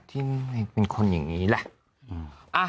ทำไมเป็นคนอย่างนี้แหละ